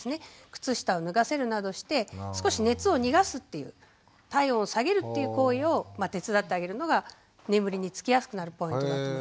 靴下を脱がせるなどして少し熱を逃がすっていう体温を下げるっていう行為を手伝ってあげるのが眠りにつきやすくなるポイントだと思います。